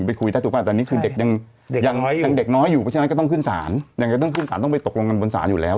ไอ้หัวค้อนมันหล่นลงมาใส่หัวหมอป้าล่ะ